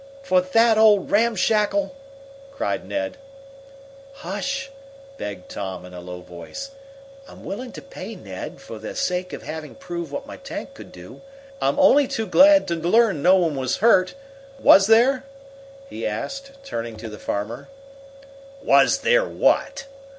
"For that old ramshackle?" cried Ned. "Hush!" begged Tom, in a low voice. "I'm willing to pay, Ned, for the sake of having proved what my tank could do. I'm only too glad to learn no one was hurt. Was there?" he asked, turning to the farmer. "Was there what?"